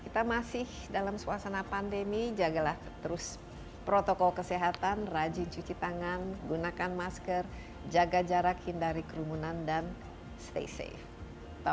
kita masih dalam suasana pandemi jagalah terus protokol kesehatan rajin cuci tangan gunakan masker jaga jarak hindari kerumunan dan stay safe